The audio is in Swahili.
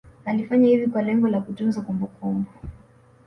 Alifanya hivi kwa lengo la kutunza kumbukumbu